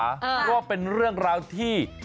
เพราะว่าเป็นเรื่องราวที่